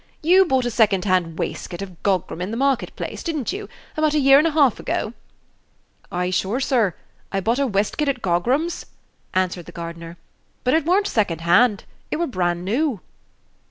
"You bought a second hand waistcoat of Gogram, in the market place, did n't you, about a year and a half ago?" "Ay, sure, sir. I bought a weskit at Gogram's," answered the gardener; "but it were n't second hand it were bran new."